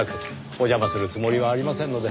お邪魔するつもりはありませんので。